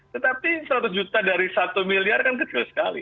tetapi seratus juta dari satu miliar kan kecil sekali